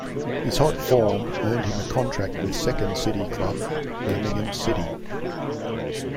His hot form earned him a contract with second-city club Birmingham City.